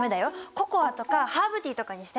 ココアとかハーブティーとかにして。